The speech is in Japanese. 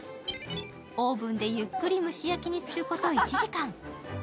オーブンでゆっくり蒸し焼きにすること１時間。